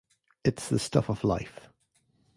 It's the stuff of life.